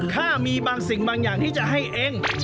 ถ้ามีบางสิ่งบางอย่างที่จะให้เอง